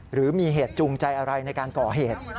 หรือมีเหตุจูงใจอะไรในการก่อเหตุ